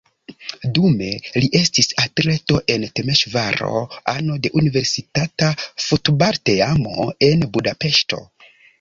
Dume li estis atleto en Temeŝvaro, ano de universitata futbalteamo en Budapeŝto.